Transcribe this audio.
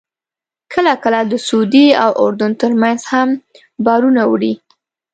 کله کله د سعودي او اردن ترمنځ هم بارونه وړي.